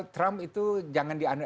trump itu jangan dianggap